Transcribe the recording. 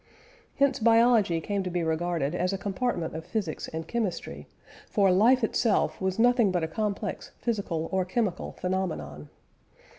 Hence biology came to be regarded as a compartment of physics and chemistry, for life itself was nothing but a complex physical or chemical phenomenon.